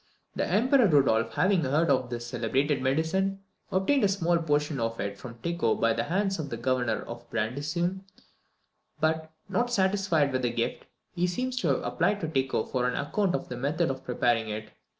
The Emperor Rudolph having heard of this celebrated medicine, obtained a small portion of it from Tycho by the hands of the Governor of Brandisium; but, not satisfied with the gift, he seems to have applied to Tycho for an account of the method of preparing it.